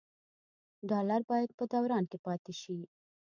ډالر باید په دوران کې پاتې شي.